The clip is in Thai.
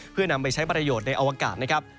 เพื่อนำไปใช้ประโยชน์ในอวกาศนะครับ